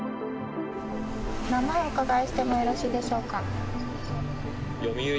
お名前お伺いしてもよろしいでしょうか？